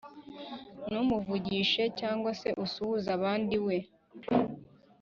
nrumuvugishe, cyangwa se ugasuhuza abandi we